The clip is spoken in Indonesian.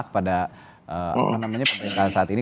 kepada pemerintahan saat ini